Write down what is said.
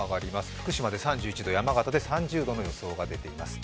福島で３１度、山形で３０度の予想が出ています。